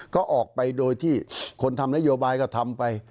ก็ออกไปโดยที่คนทำนโยบายก็ทำไป